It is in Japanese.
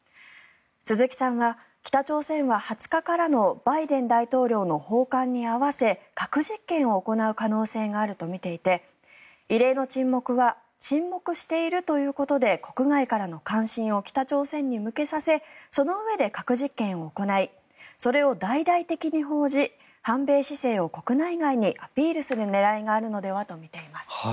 鈴木さんは北朝鮮は２０日からのバイデン大統領の訪韓に合わせ核実験を行う可能性があるとみていて異例の沈黙は沈黙しているということで国外からの関心を北朝鮮に向けさせそのうえで核実験を行いそれを大々的に報じ反米姿勢を国内外にアピールする狙いがあるのではとみています。